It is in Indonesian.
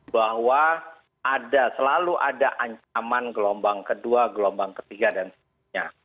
bahwa selalu ada ancaman gelombang kedua gelombang ketiga dan seterusnya